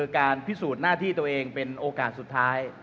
การพิสูจน์หน้าที่ตัวเองเป็นโอกาสสุดท้าย